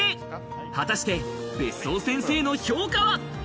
果たして別荘先生の評価は？